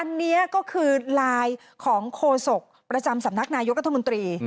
อันนี้ก็คือไลน์ของโฆษกประจำสำนักนายกรัฐมนตรี